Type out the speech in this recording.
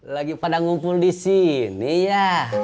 lagi pada ngumpul disini ya